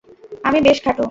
আমি বেশ খাটো।